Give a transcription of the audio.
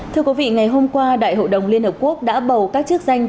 thưa quý vị ngày hôm qua đại hội đồng liên hợp quốc đã bầu các chức danh